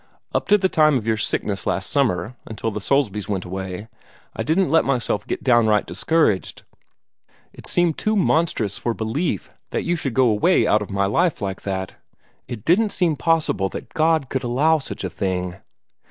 Up to the time of your sickness last summer, until after the Soulsbys went away, I didn't let myself get downright discouraged. It seemed too monstrous for belief that you should go away out of my life like that. It didn't seem possible that God could allow such a thing.